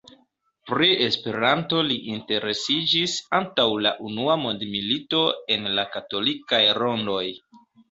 Pri Esperanto li interesiĝis antaŭ la unua mondmilito, en la katolikaj rondoj.